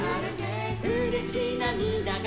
「うれしなみだが」